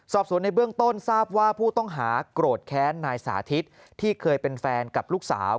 สอบสวนในเบื้องต้นทราบว่าผู้ต้องหาโกรธแค้นนายสาธิตที่เคยเป็นแฟนกับลูกสาว